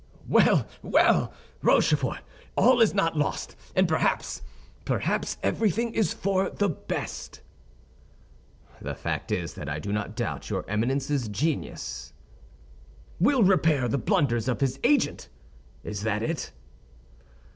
"Well, well! Rochefort, all is not lost; and perhaps—perhaps everything is for the best." "The fact is that I do not doubt your Eminence's genius—" "Will repair the blunders of his agent—is that it?"